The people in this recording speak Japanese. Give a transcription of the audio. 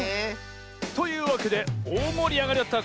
というわけでおおもりあがりだった「クイズのだ」